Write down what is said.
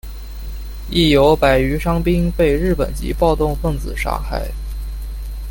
亦有百余伤兵被日本籍暴动分子杀害。